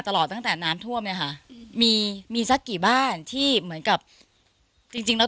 ตลอดตั้งแต่น้ำท่วมเนี่ยค่ะมีมีสักกี่บ้านที่เหมือนกับจริงจริงแล้ว